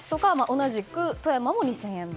同じく富山も２０００円分。